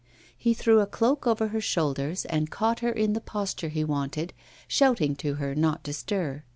He threw a cloak over her shoulders, and caught her in the posture he wanted, shouting to her not to stir.